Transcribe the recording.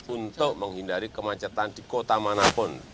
untuk menghindari kemacetan di kota manapun